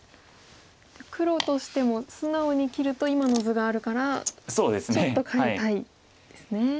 黒としても素直に切ると今の図があるからちょっと変えたいんですね。